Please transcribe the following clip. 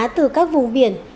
từ các vùng biển